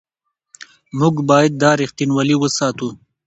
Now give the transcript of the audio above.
موږ باید دا رښتینولي وساتو.